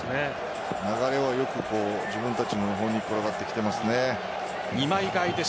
流れを自分たちの方に転がってきていますね。